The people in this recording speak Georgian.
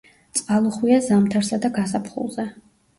წყალუხვია ზამთარსა და გაზაფხულზე.